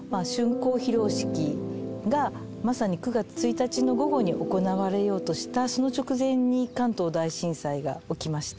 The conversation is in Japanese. こう披露式がまさに９月１日の午後に行われようとしたその直前に、関東大震災が起きました。